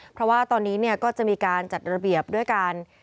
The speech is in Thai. เพราะว่าตอนนี้ก็จะมีการจัดระเบียบด้วยการ